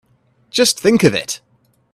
Just think of it!